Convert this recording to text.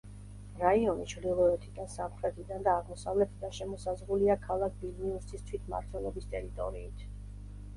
რაიონი ჩრდილოეთიდან, სამხრეთიდან და აღმოსავლეთიდან შემოსაზღვრულია ქალაქ ვილნიუსის თვითმმართველობის ტერიტორიით.